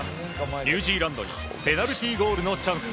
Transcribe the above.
ニュージーランドにペナルティーゴールのチャンス。